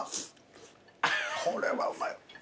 これはうまい。